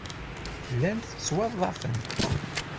Llant ttwaḍḍafent.